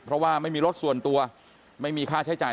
เพราะส่วนตัวไม่มีค่าใช้จ่าย